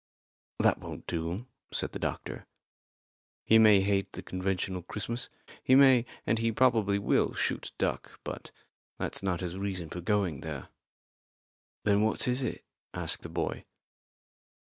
"That won't do," said the doctor. "He may hate the conventional Christmas. He may, and he probably will, shoot duck. But that's not his reason for going there." "Then what is it?" asked the boy.